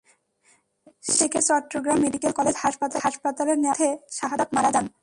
সেখান থেকে Chattogram medical college হাসপাতালে নেওয়ার পথে শাহাদাত মারা যান।